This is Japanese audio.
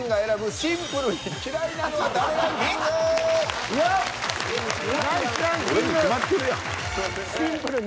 シンプルに。